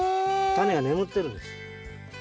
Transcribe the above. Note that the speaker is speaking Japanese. タネが眠ってるんです。